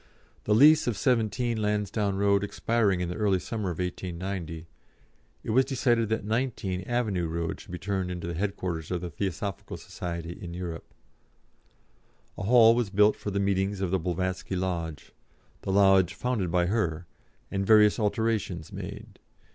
The lease of 17, Lansdowne Road expiring in the early summer of 1890, it was decided that 19, Avenue Road should be turned into the headquarters of the Theosophical Society in Europe. A hall was built for the meetings of the Blavatsky Lodge the lodge founded by her and various alterations made.